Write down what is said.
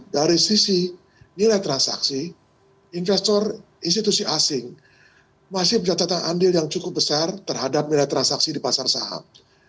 dari sisi nilai transaksi investor institusi asing masih mencatatan andil yang cukup besar terhadap nilai transaksi di pasar saham